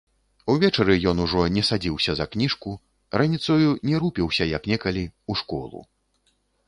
Увечары ён ужо не садзіўся за кніжку, раніцою не рупіўся, як некалі, у школу.